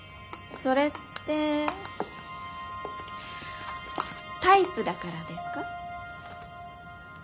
それってタイプだからですか？